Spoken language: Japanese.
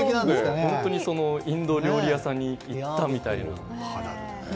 本当にインド料理屋さんに行ったみたいな。